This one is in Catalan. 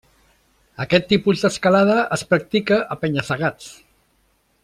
Aquest tipus d'escalada es practica a penya-segats.